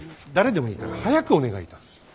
誰でもいいから早くお願いいたす。